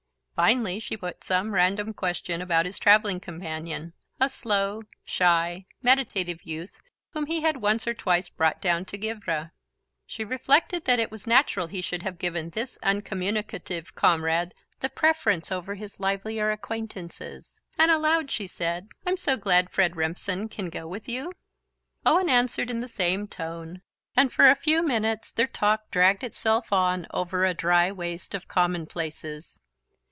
Finally she put some random question about his travelling companion, a slow shy meditative youth whom he had once or twice brought down to Givre. She reflected that it was natural he should have given this uncommunicative comrade the preference over his livelier acquaintances, and aloud she said: "I'm so glad Fred Rempson can go with you." Owen answered in the same tone, and for a few minutes their talk dragged itself on over a dry waste of common places.